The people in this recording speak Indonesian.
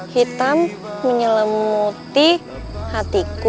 hitam menyelamuti hatiku